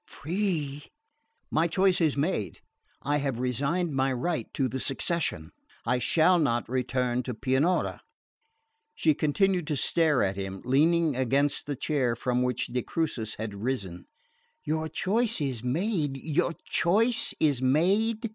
"Free ?" "My choice is made. I have resigned my right to the succession. I shall not return to Pianura." She continued to stare at him, leaning against the chair from which de Crucis had risen. "Your choice is made! Your choice is made!"